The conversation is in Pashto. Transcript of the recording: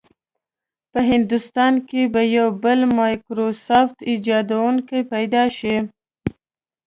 په هندوستان کې به یو بل مایکروسافټ ایجادونکی پیدا شي.